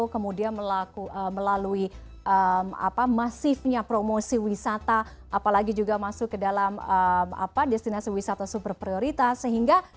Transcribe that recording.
kemudian melalui masifnya promosi wisata apalagi juga masuk ke dalam destinasi wisata super prioritas